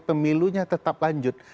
pemilunya tetap lanjut